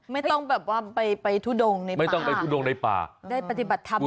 ไม่ต้องแบบว่าไปทุดงในป่าได้ปฏิบัติธรรมไปด้วย